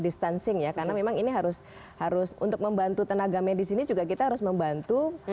distancing ya karena memang ini harus harus untuk membantu tenaga medis ini juga kita harus membantu